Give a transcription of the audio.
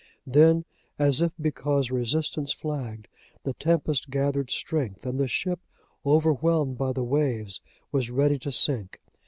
Then, as if because resistance flagged, the tempest gathered strength, and the ship, overwhelmed by the waves, was ready to sink.